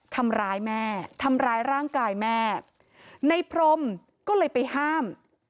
ทำร้ายแม่ทำร้ายร่างกายแม่ในพรมก็เลยไปห้าม